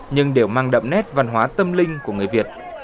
nhưng đều mang đậm nét văn hóa tâm linh của người việt